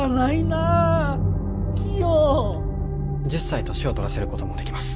１０才年をとらせることもできます。